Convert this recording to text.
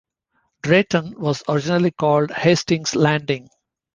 Drayton was originally called Hastings Landing.